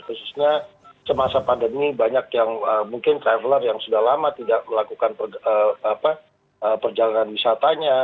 khususnya semasa pandemi banyak yang mungkin traveler yang sudah lama tidak melakukan perjalanan wisatanya